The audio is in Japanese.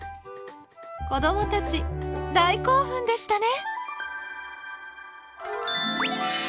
子どもたち大興奮でしたね！